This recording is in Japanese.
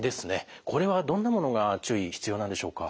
これはどんなものが注意必要なんでしょうか？